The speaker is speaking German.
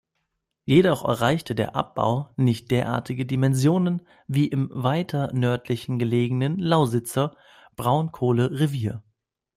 Jedoch erreichte der Abbau nicht derartige Dimensionen wie im weiter nördlich gelegenen Lausitzer Braunkohlerevier.